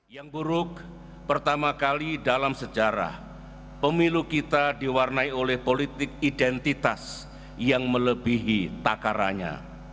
yang buruk pertama kali dalam sejarah pemilu kita diwarnai oleh politik identitas yang melebihi takaranya